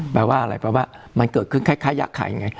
แปลว่าอะไรแปลว่ามันเกิดขึ้นคล้ายยาไข่ไง